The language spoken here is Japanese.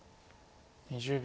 ２０秒。